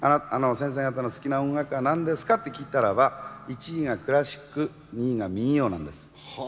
先生方の好きな音楽は何ですか？って聞いたらば１位がクラシック２位が民謡なんです。